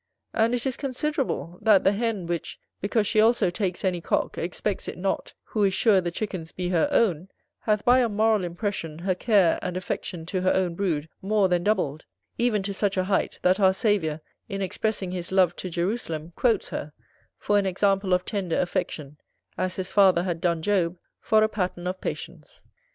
And it is considerable, that the Hen, which, because she also takes any Cock, expects it not, who is sure the chickens be her own, hath by a moral impression her care and affection to her own brood more than doubled, even to such a height, that our Saviour, in expressing his love to Jerusalem, quotes her, for an example of tender affection, as his Father had done Job, for a pattern of patience.